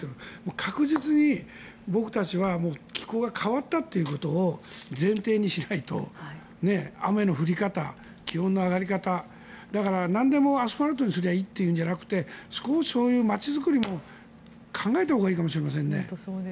確実に僕たちは気候が変わったということを前提にしないと雨の降り方気温の上がり方だからなんでも、アスファルトにすればいいというんじゃなくて少し、そういう街づくりも考えたほうがいいかもしれませんね。